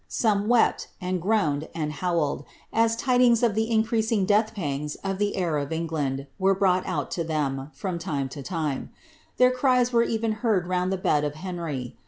Some wept, and groaned, and bowled, as tidings of the increasing deoth pangs of liie her of England were brought out to ihem, from time to lime. Their cws were even heard round the bed of Henry.